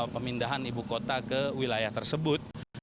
pemindahan ibu kota ke wilayah tersebut